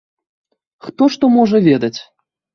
Хто што можа ведаць?!